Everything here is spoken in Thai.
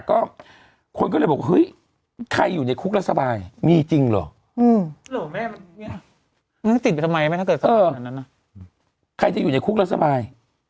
ใครที่อยู่ในคุกแล้วสบายถูกมั้ย